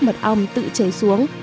mật ong tự cháy xuống